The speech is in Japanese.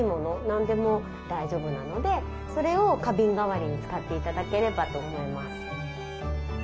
何でも大丈夫なのでそれを花瓶代わりに使って頂ければと思います。